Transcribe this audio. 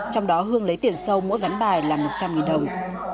trong đó hương lấy tiền sâu mỗi ván bài là một trăm linh đồng